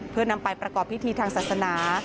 เพื่อนำไปประกอบพิธีทางศาสนา